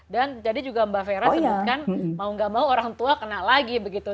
dan jadi juga mbak fera sebutkan mau nggak mau orang tua kena lagi begitu